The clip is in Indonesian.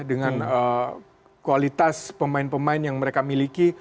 dengan kualitas pemain pemain yang mereka miliki